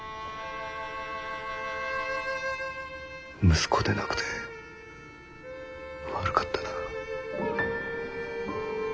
息子でなくて悪かったな。